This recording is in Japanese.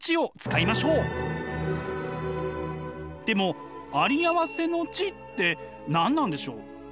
でもあり合わせの知って何なんでしょう？